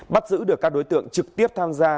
bắt giữ được các đối tượng trực tiếp tham gia